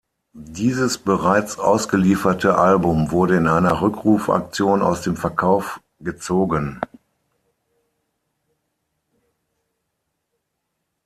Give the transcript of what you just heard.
Dieses bereits ausgelieferte Album wurde in einer Rückruf-Aktion aus dem Verkauf gezogen.